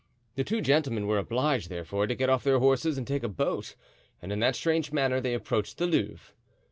The two gentlemen were obliged, therefore, to get off their horses and take a boat; and in that strange manner they approached the Louvre.